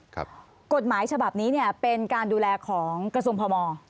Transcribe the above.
กฎหมายฉบับนี้เป็นการดูแลของกระทรวงภาวมอล์